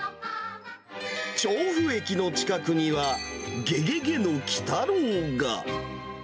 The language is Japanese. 調布駅の近くには、ゲゲゲの鬼太郎が。